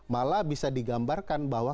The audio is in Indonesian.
malah bisa digambarkan bahwa